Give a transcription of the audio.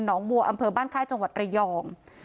บัวอำเภอบ้านค่ายจังหวัดระยอง